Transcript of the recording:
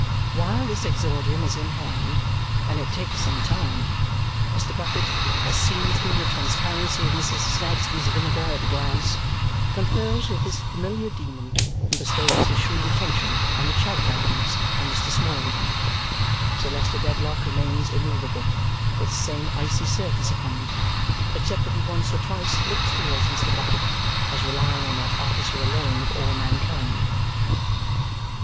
While this exordium is in hand and it takes some time Mr. Bucket, who has seen through the transparency of Mrs. Snagsby's vinegar at a glance, confers with his familiar demon and bestows his shrewd attention on the Chadbands and Mr. Smallweed. Sir Leicester Dedlock remains immovable, with the same icy surface upon him, except that he once or twice looks towards Mr. Bucket, as relying on that officer alone of all mankind.